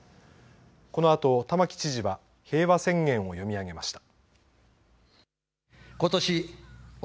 このあと玉城知事は平和宣言を読み上げました。